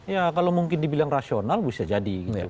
ya kalau mungkin dibilang rasional bisa jadi gitu ya